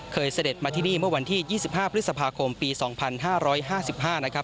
เสด็จมาที่นี่เมื่อวันที่๒๕พฤษภาคมปี๒๕๕๕นะครับ